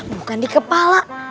bukan di kepala